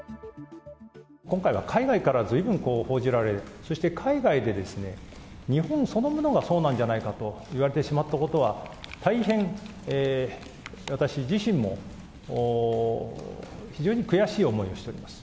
今回は海外からずいぶんこう、報じられ、そして海外で、日本そのものがそうなんじゃないかといわれてしまったことは、大変私自身も非常に悔しい思いをしております。